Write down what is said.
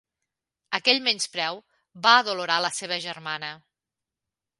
Aquell menyspreu va adolorar la seva germana.